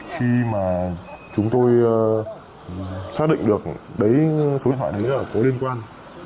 khi mà chúng tôi xác định được đấy số điện thoại đấy là có liên quan